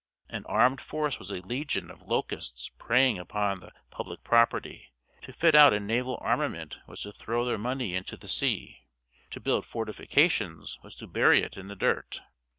An armed force was a legion of locusts preying upon the public property; to fit out a naval armament was to throw their money into the sea; to build fortifications was to bury it in the dirt.